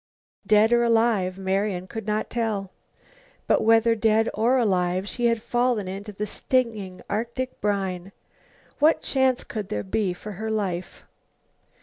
Dead or alive? Marian could not tell. But whether dead or alive she had fallen into the stinging Arctic brine. What chance could there be for her life?